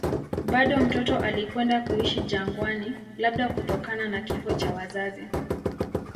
Bado mtoto alikwenda kuishi jangwani, labda kutokana na kifo cha wazazi.